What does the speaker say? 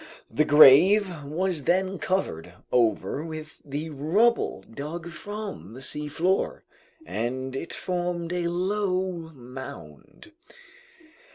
The grave was then covered over with the rubble dug from the seafloor, and it formed a low mound.